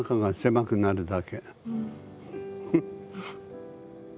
フッ。